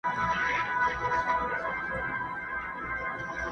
پکښي ګوري چي فالونه په تندي د سباوون کي؛